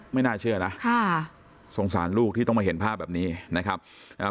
ไม่น่าเชื่อนะค่ะสงสารลูกที่ต้องมาเห็นภาพแบบนี้นะครับอ่า